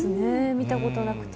見たことなくて。